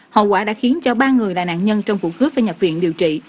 hậu quả đã khiến cho ba người là nạn nhân trong vụ cướp phải nhập viện điều trị